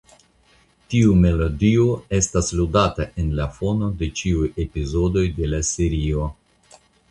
Tiu melodio estas ludata en la fono de ĉiuj epizodoj de la serio.